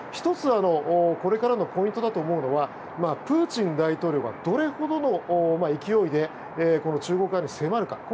１つこれからのポイントだと思うのはプーチン大統領がどれほどの勢いで中国側に迫るか。